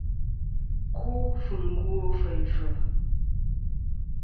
Ku fɨ ngo' feyn fɨ̀.